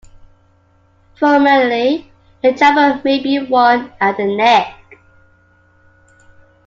Formally, a jabot may be worn at the neck.